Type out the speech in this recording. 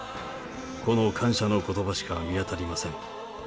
この感謝のことばしか見当たりません。